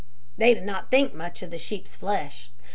"They did not think much of the sheep's flesh.